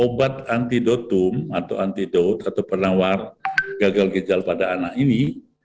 obat antidotum atau antidot atau penawar gagal ginjal pada anak ini